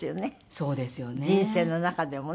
そうですよね。